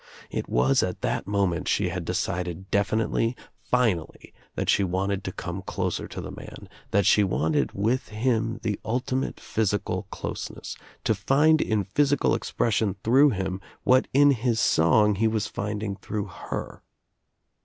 It was at that moment she had decided definitely, finally, that she wanted to come closer to the man, that she wanted with him the ultimate physical closeness — to find in physical expression through him what in his song he was finding through her.